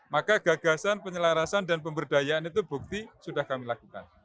maka gagasan penyelarasan dan pemberdayaan itu bukti sudah kami lakukan